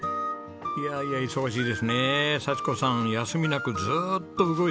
いやいや忙しいですね幸子さん休みなくずっと動いてます。